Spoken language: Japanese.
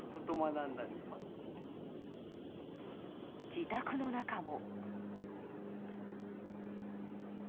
自宅の中も。